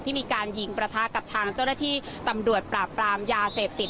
มีการยิงประทะกับทางเจ้าหน้าที่ตำรวจปราบปรามยาเสพติด